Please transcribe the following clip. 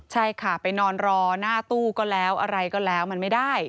ใช่ค่ะไปนอนรอหน้าตู้ก็แล้วอะไรก็แล้วมันไม่ได้